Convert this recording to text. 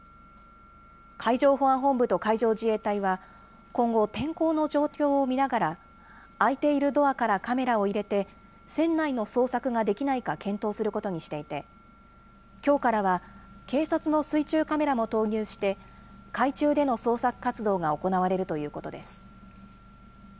海上保安本部と海上自衛隊は、今後、天候の状況を見ながら、開いているドアからカメラを入れて、船内の捜索ができないか検討することにしていて、きょうからは警察の水中カメラも投入して、海中での捜索活動が行われるということです。